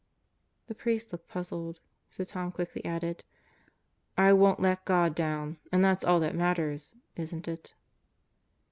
The priest looked puzzled, so Tom quickly added: "I won't let God down; and that's all that matters, isn't it?"